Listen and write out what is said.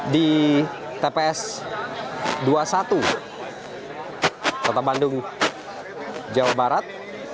di tps dua puluh satu kota bandung jawa barat